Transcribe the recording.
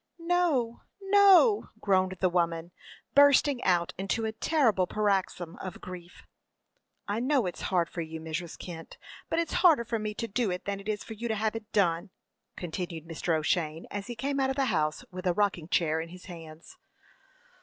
"No, no!" groaned the woman, bursting out into a terrible paroxysm of grief. "I know it's hard for you, Mrs. Kent, but it's harder for me to do it than it is for you to have it done," continued Mr. O'Shane, as he came out of the house with a rocking chair in his hands.